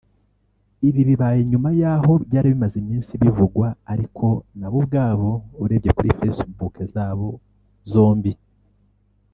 Ibi bibaye nyuma y’aho byari bimaze iminsi bivugwa ariko nabo ubwabo urebye kuri facebook zabo zombie